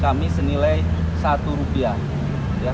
kami senilai satu rupiah